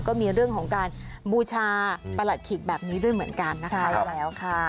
ก็มีเรื่องของการบูชาประหลัดขิกแบบนี้ด้วยเหมือนกันนะคะ